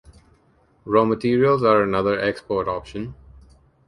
Raw materials are another export option.